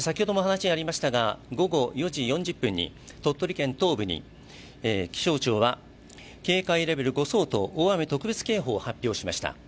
午後４時４０分に鳥取県東部に気象庁は警戒レベル５相当、大雨特別警報を発表しました。